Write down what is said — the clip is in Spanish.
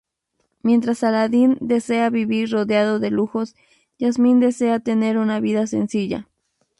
Mientras Aladdín desea vivir rodeado de lujos, Jasmín desea tener una vida sencilla.